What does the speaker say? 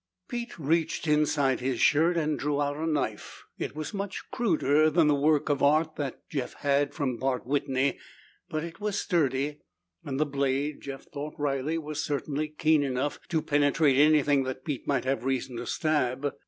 Pete reached inside his shirt and drew out a knife. It was much cruder than the works of art Jeff had had from Bart Whitney. But it was sturdy, and the blade, Jeff thought wryly, was certainly keen enough to penetrate anything that Pete might have reason to stab.